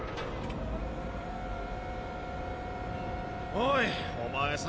おいお前さ。